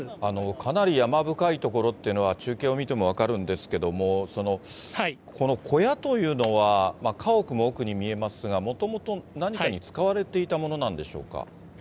かなり山深い所というのは中継を見ても分かるんですけども、この小屋というのは、家屋も奥に見えますが、もともと何かに使われていたものなんでしょうか。